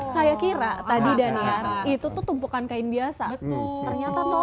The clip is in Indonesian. saya kira tadi daniar itu tuh tumpukan kain biasa